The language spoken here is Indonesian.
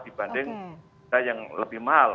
dibanding yang lebih mahal